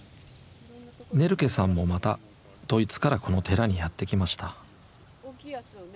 ネルケさんもまたドイツからこの寺にやって来ました。